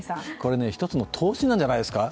一つの投資なんじゃないですか？